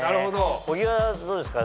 小木はどうですか